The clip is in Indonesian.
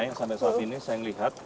yang sampai saat ini saya melihat